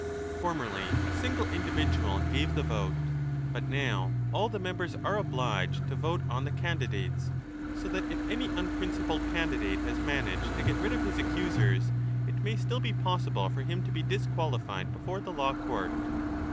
Formerly a single individual gave the vote, but now all the members are obliged to vote on the candidates, so that if any un principled candidate has managed to get rid of loa ARISTOTLE ON THE ICH. 55. his accusers, 1 it may still be possible for him to be disqualified before the law court.